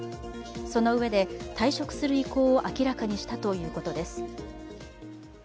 そのうえで、退職する意向を明らかにしたということです。